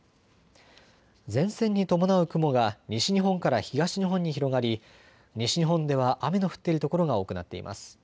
前線に伴う雲が西日本から東日本に広がり西日本では雨の降っている所が多くなっています。